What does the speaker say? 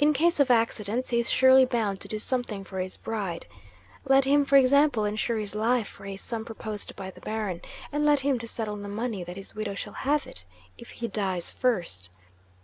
In case of accidents, he is surely bound to do something for his bride? Let him, for example, insure his life, for a sum proposed by the Baron, and let him so settle the money that his widow shall have it, if he dies first.